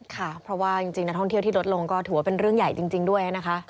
ค่ะเพราะว่าจริงนักท่องเที่ยวที่ลดลงก็ถือว่าเป็นเรื่องใหญ่จริงด้วยนะคะ